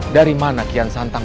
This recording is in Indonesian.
dari mana kian santang